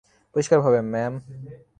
পরিষ্কার ভাবে, ম্যাম।